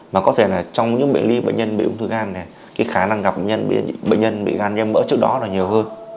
mà có thể là trong những bệnh lý bệnh nhân bị ung thư gan này cái khả năng gặp bệnh nhân bị gan viêm mỡ trước đó là nhiều hơn